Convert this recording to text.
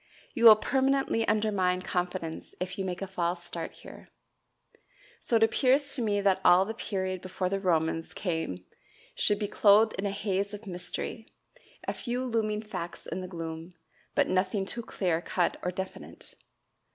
You will permanently undermine confidence if you make a false start here. So it appears to me that all the period before the Romans came should be clothed in a haze of mystery, a few looming facts in the gloom, but nothing too clear cut or definite.